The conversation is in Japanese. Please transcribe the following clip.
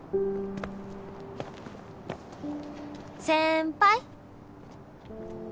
先輩！